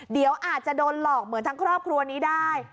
เดี๋ยวอาจจะโดนหลอกเหมือนทั้งครอบครัวนี้ได้